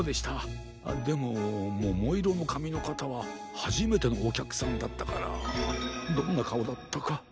でもももいろのかみのかたははじめてのおきゃくさんだったからどんなかおだったか。